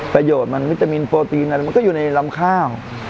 ประโยชน์นี่มีตามินโปรตีนก็อยู่ในลำข้าว